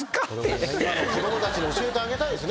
今の子供たちに教えてあげたいですね。